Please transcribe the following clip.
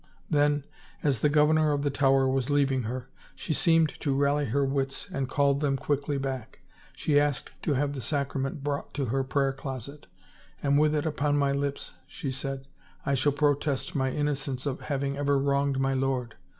Then as the governor of the Tower was leaving her, she seemed to rally her wits and called him quickly back. She asked to have the sacrament brought to her prayer closet, and " With it upon my lips," she said, I shall protest my innocence of having ever wronged my lord.